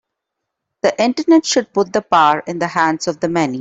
The Internet should put the power in the hands of the many